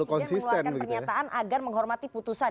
presiden mengeluarkan pernyataan agar menghormati putusan